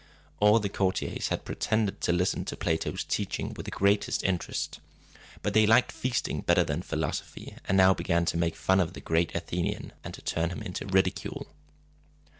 All the courtiers had pretended to listen to Plato's teaching with the greatest interest; but they liked feasting better than philosophy, and now began to make fun of the great Athenian, and to turn him into ridicule.